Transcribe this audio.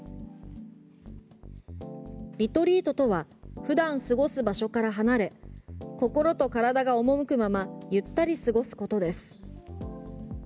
リトリートとは普段過ごす場所から離れ心と体が赴くままゆったり過ごすことです。